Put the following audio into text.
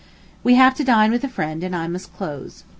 We have to dine with a friend, and I must close.